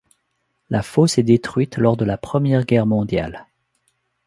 La fosse est détruite lors de la Première Guerre mondiale.